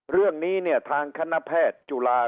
เรื่องนี้ทางคณะแพทย์จุฬา